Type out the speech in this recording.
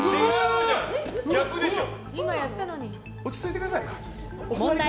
逆でしょ。